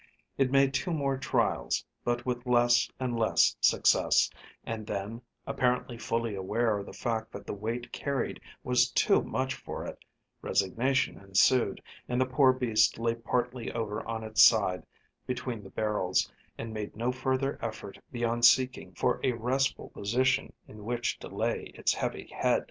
It made two more trials, but with less and less success, and then, apparently fully aware of the fact that the weight carried was too much for it, resignation ensued, and the poor beast lay partly over on its side between the barrels, and made no further effort beyond seeking for a restful position in which to lay its heavy head.